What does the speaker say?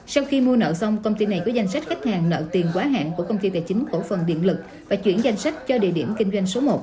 sau khi mua nợ xong công ty này có danh sách khách hàng nợ tiền quá hạn của công ty tài chính cổ phần điện lực và chuyển danh sách cho địa điểm kinh doanh số một